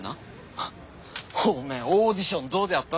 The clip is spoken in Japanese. ハッおめえオーディションどうであった？